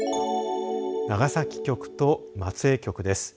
長崎局と松江局です。